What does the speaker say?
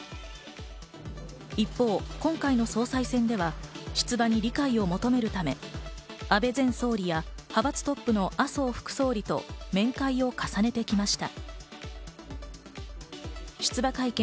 一方、今回の総裁選では出馬に理解を求めるため、安倍前総理や派閥トップの麻生副総理と面会を重ねてきました。